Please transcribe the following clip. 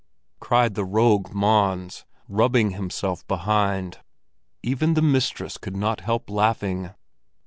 cried the rogue Mons, rubbing himself behind. Even the mistress could not help laughing.